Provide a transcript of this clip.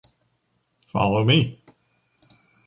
Follow me.